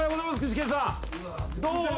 どうも！